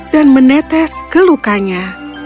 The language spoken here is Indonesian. dan menetes ke lukanya